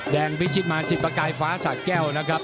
แดงพิชิตมาสิบประกายฟ้าชาดแก้วนะครับ